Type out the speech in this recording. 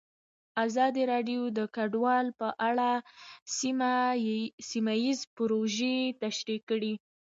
ازادي راډیو د کډوال په اړه سیمه ییزې پروژې تشریح کړې.